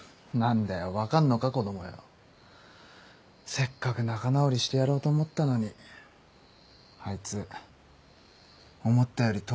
せっかく仲直りしてやろうと思ったのにあいつ思ったより遠くを走ってたみてえだ。